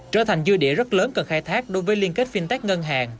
trở thành dư địa rất lớn cần khai thác đối với liên kết fintech ngân hàng